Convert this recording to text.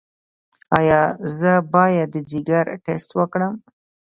ایا زه باید د ځیګر ټسټ وکړم؟